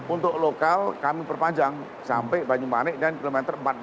untuk lokal kami perpanjang sampai banyumanik dan km empat ratus empat puluh dua